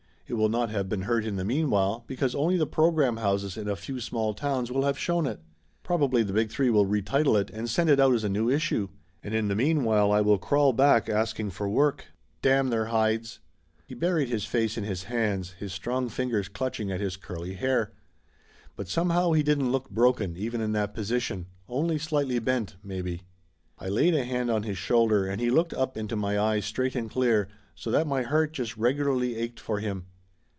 It will not have been hurt in the meanwhile because only the program houses in a few small towns will have shown it. Probably the Big Three will retitle it, and send it out as a new issue. And in the meanwhile I will crawl back asking for work. Damn their hides !" He buried his face in his hands, his strong fingers clutching at his curly hair. But somehow he didn't look broken, even in that position only slighty bent, maybe. I laid a hand on his shoulder and he looked up into my eyes straight and clear, so that my heart just regularly ached for him.